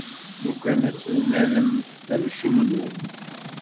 Lukan ad tt-tennalem, d amcum-nwen!